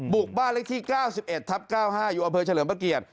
บ้านเลขที่๙๑ทับ๙๕อยู่อำเภอเฉลิมพระเกียรติ